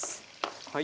はい。